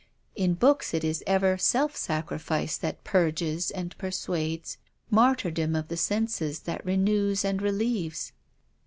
In books it is ever self sacrifice that purges and persuades, martyrdom of the senses that renews and relieves.